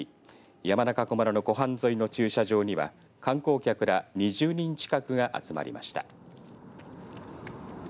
山中湖村の湖畔沿いの駐車場には観光客ら２０人近くが集まりました。